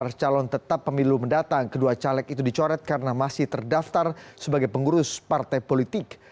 pada calon tetap pemilu mendatang kedua caleg itu dicoret karena masih terdaftar sebagai pengurus partai politik